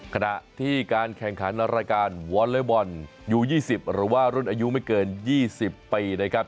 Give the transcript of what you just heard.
ขณะที่การแข่งขันรายการวอลเลอร์บอลยู๒๐หรือว่ารุ่นอายุไม่เกิน๒๐ปีนะครับ